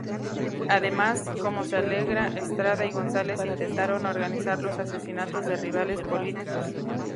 Además, como se alega, Estrada y González intentaron organizar los asesinatos de rivales políticos.